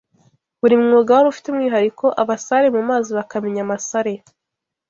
Buri mwuga wari ufite umwihariko abasare mu mazi bakamenya amasare